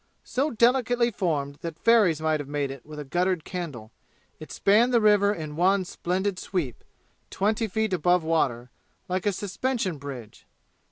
So delicately formed that fairies might have made it with a guttered candle, it spanned the river in one splendid sweep, twenty feet above water, like a suspension bridge.